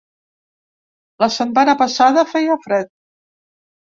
La setmana passada feia fred.